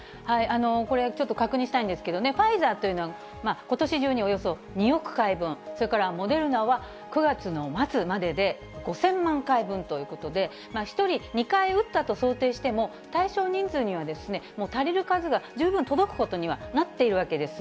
これ、ちょっと確認したいんですけどね、ファイザーというのは、ことし中に、およそ２億回分、それからモデルナは、９月の末までで、５０００万回分ということで、１人２回打ったと想定しても、対象人数には足りる数が十分届くことにはなっているわけです。